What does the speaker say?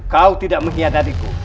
kau tidak mengkhianatiku